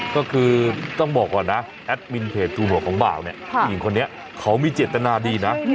ก็คือต้องบอกก่อนนะแอดมินเพจทูบของบ่าวเนี่ยผู้หญิงคนนี้เขามีเจตนาดีนะ